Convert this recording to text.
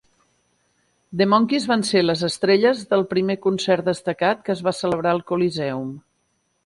The Monkees van ser les estrelles del primer concert destacat que es va celebrar al Coliseum.